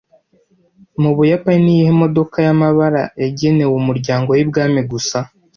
Mu Buyapani niyihe modoka yamabara yagenewe umuryango wibwami gusa